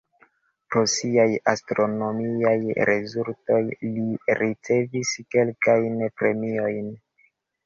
Pro siaj astronomiaj rezultoj li ricevis kelkajn premiojn.